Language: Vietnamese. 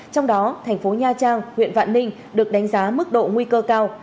trong đó thành phố nha trang huyện vạn ninh được đánh giá mức độ nguy cơ cao